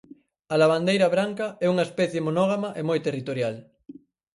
A lavandeira branca é unha especie monógama e moi territorial.